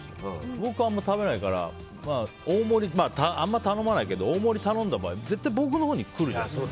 僕、あんまり食べないからあんま頼まないけど大盛り頼んだ場合絶対僕のほうに来るじゃないですか。